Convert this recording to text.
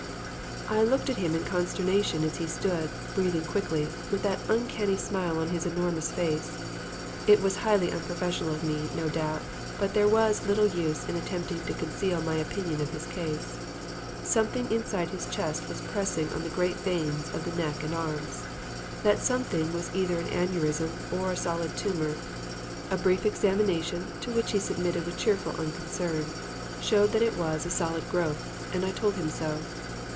I looked at him in consternation as he stood, breathing quickly, with that uncanny smile on his enormous face. It was highly unprofessional of me, no doubt, but there was little use in attempting to conceal my opinion of his case. Something inside his chest was pressing on the great veins of the neck and arms. That something was either an aneurysm or a solid tumor. A brief examination, to which he submitted with cheerful unconcern, showed that it was a solid growth, and I told him so.